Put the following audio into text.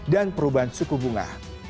dan perubahan suku bunga